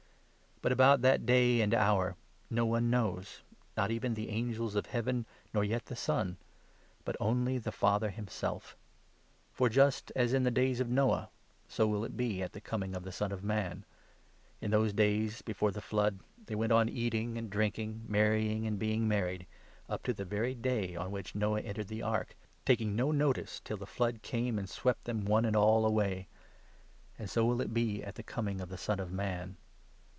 But about 36 that Day and Hour, no one knows — not even the angels of Heaven, nor yet the Son — but only the Father himself. For, 37 just as in the days of Noah, so will it be at the Coming of the Son of Man. In those days before the flood they went on 38 eating and drinking, marrying and being married, up to the very day on which Noah entered the ark, taking no notice till 39 the flood came and swept them one and all away ; and so will it be at the Coming of the Son of Man.